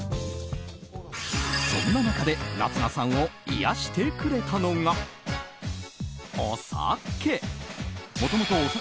そんな中で、夏菜さんを癒やしてくれたのが、お酒。